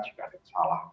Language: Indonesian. jika ada yang salah